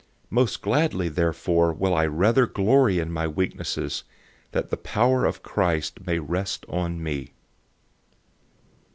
Most gladly therefore I will rather glory in my weaknesses, that the power of Christ may rest on me.